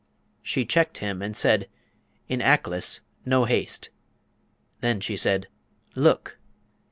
She checked him, and said, 'In Aklis no haste!' Then she said, 'Look!'